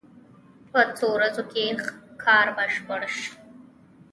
په څو ورځو کې کار بشپړ شو.